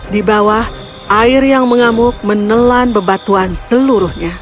di bawah air yang mengamuk menelan bebatuan seluruhnya